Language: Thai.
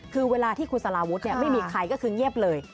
คือเวลาที่คุณสารวุฒิไม่มีใครก็คือเงียบเลย